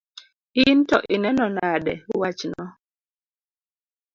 In to ineno nade wachno?